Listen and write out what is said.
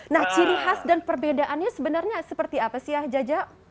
nah ciri khas dan perbedaannya sebenarnya seperti apa sih jaja